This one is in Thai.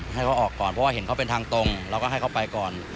ให้เขาออกก่อนเพราะว่าเห็นเขาเป็นทางตรงเราก็ให้เขาไปก่อน